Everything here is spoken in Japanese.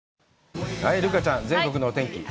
留伽ちゃん、全国のお天気。